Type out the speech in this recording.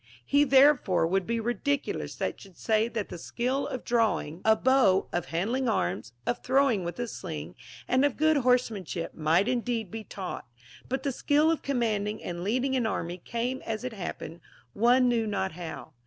He therefore would be ridiculous that should say that the skill of draw * See Herod. IV. 2. THAT VIRTUE MAY BE TAUGHT. 81 ing a bow, of handling arms, of throwing with a shng, and of good horsemanship, might indeed be tanght, but the skill of commanding and leading an army came as it hap pened, one knew not how.